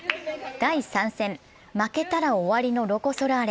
第３戦、負けたら終わりのロコ・ソラーレ。